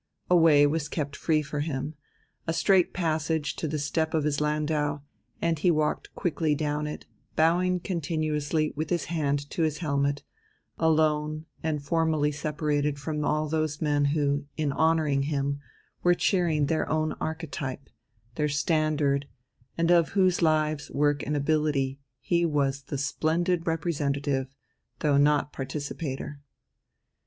A way was kept free for him, a straight passage to the step of his landau, and he walked quickly down it, bowing continuously with his hand to his helmet alone and formally separated from all those men who, in honouring him, were cheering their own archetype, their standard, and of whose lives, work, and ability he was the splendid representative, though not participator.